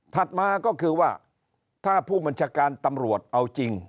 มาก็คือว่าถ้าผู้บัญชาการตำรวจเอาจริง